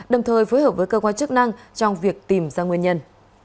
đồng thời phối hợp với cơ quan chức năng trong việc tìm ra nguyên nhân